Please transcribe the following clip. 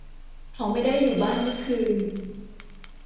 เขาไม่ได้อยู่บ้านเมื่อคืน